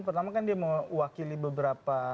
pertama kan dia mewakili beberapa